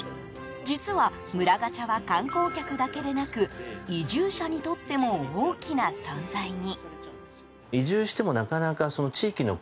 実は、村ガチャは観光客だけでなく移住者にとっても大きな存在に。